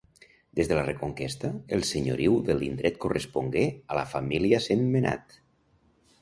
Des de la Reconquesta, el senyoriu de l'indret correspongué a la família Sentmenat.